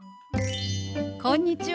こんにちは。